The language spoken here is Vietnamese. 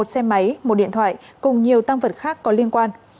một xe máy một điện thoại cùng nhiều tăng vật khác có liên quan